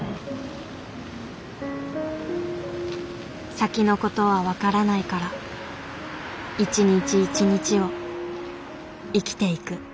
先のことは分からないから一日一日を生きていく。